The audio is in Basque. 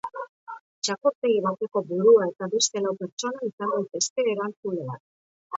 Txakurtegi bateko burua eta beste lau pertsona izan daitezke erantzuleak.